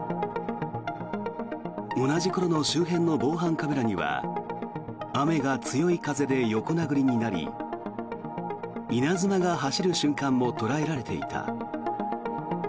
同じ頃の周辺の防犯カメラには雨が強い風で横殴りになり稲妻が走る瞬間も捉えられていた。